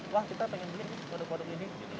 wah kita pengen beli produk produk ini